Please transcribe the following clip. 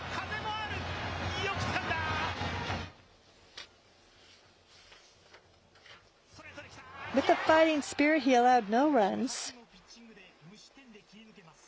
気迫のピッチングで、無失点で切り抜けます。